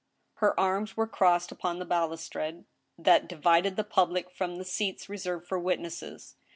Her arms were crossed upon the balustrade that divided the public from the seats reserved for witnesses.